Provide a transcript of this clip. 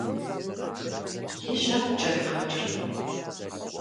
И жьэр ткӀэригъэкӀыркъым.